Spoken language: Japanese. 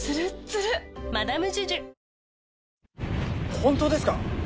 本当ですか？